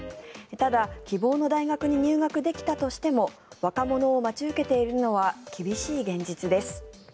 ただ、希望の大学に入学できたとしても若者を待ち受けているのは厳しい現実です。